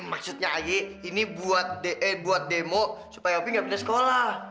maksudnya ayik ini buat demo supaya opi nggak pindah sekolah